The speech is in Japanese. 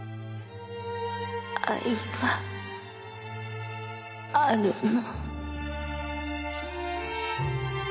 愛はあるの？